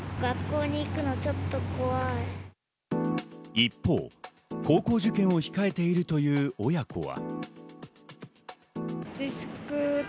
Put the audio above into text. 一方、高校受験を控えているという親子は。